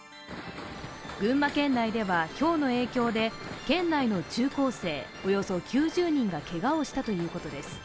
群馬県内では、ひょうの影響で県内の中高生およそ９０人がけがをしたということです。